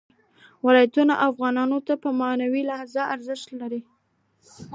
ولایتونه افغانانو ته په معنوي لحاظ ارزښت لري.